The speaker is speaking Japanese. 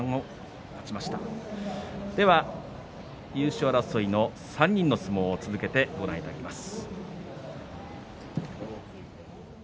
優勝争いの３人の相撲をご覧いただきます。